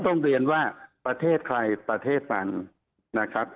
ต้องเรียนว่าประเทศใครประเทศมันนะครับ